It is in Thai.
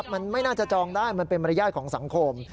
มันไม่น่าจะจองได้มันเป็นมารยาทของสังคม